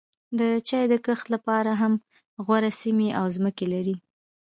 د چای د کښت لپاره هم غوره سیمې او ځمکې لري.